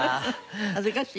恥ずかしい？